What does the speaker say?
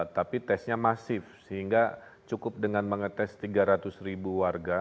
tapi tesnya masif sehingga cukup dengan mengetes tiga ratus ribu warga